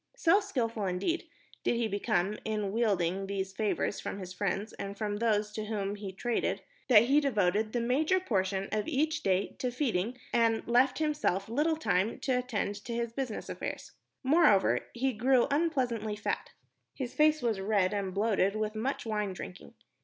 So skilful, indeed, did he become in wheedling these favors from his friends and from those with whom he traded, that he devoted the major portion of each day to feeding and left himself little time to attend to his business affairs. Moreover, he grew unpleasantly fat. His face was red and bloated with much wine drinking.